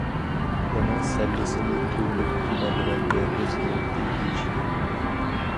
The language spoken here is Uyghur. ئۇنىڭ سەللىسىنى تۈرلۈك- تۈمەن رەڭگە ئۆزگىرەتتى دېيىشىدۇ.